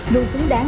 luôn tứng đáng